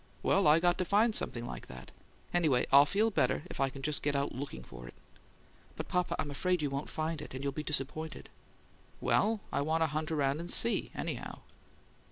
Well, I got to find something like that. Anyway, I'll feel better if I can just get out LOOKING for it." "But, papa, I'm afraid you won't find it, and you'll be disappointed." "Well, I want to hunt around and SEE, anyhow."